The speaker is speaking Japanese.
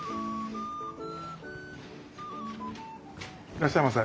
いらっしゃいませ。